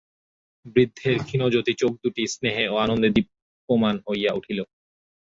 বৃদ্ধের ক্ষীণজ্যোতি চোখদুটি স্নেহে ও আনন্দে দীপ্যমান হইয়া উঠিল।